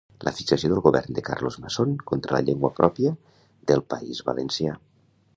La fixació del govern de Carlos Mazón contra la llengua pròpia del País Valencià